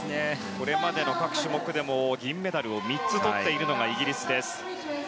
これまでの各種目でも銀メダルを３つとっているのがイギリスです。